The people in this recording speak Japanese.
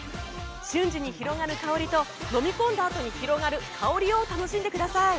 瞬時に広がる香りと飲み込んだあとに広がる香りを楽しんでください。